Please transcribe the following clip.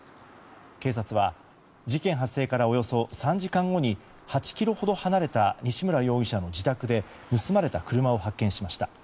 警察は事件発生からおよそ３時間後に８ｋｍほど離れた西村容疑者の自宅で盗まれた車を発見しました。